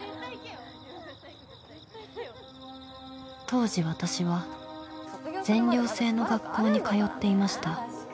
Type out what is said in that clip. ［当時私は全寮制の学校に通っていました］